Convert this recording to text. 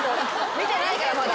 見てないからまだ。